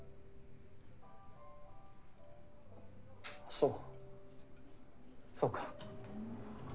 そうそうか。